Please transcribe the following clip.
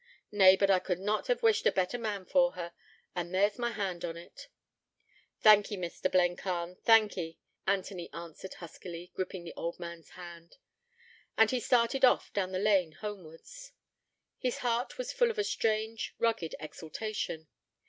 ... Nay, but I could not hev wished for a better man for her, and there's my hand on 't.' 'Thank ee, Mr. Blencarn, thank ee,' Anthony answered huskily, gripping the old man's hand. And he started off down the lane homewards. His heart was full of a strange, rugged exaltation.